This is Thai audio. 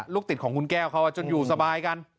ลูกติดของคุณแก้วเขาจนอยู่สบายกัน